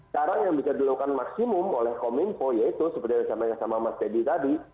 cara yang bisa dilakukan maksimum oleh kominfo yaitu seperti yang disampaikan sama mas teddy tadi